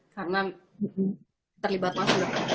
karena terlibat langsung